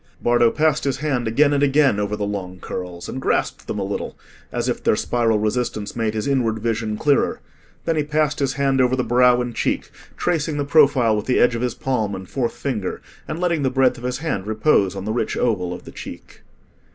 Bardo passed his hand again and again over the long curls and grasped them a little, as if their spiral resistance made his inward vision clearer; then he passed his hand over the brow and cheek, tracing the profile with the edge of his palm and fourth finger, and letting the breadth of his hand repose on the rich oval of the cheek.